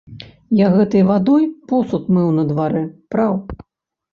Я гэтай вадой посуд мыў на дварэ, праў.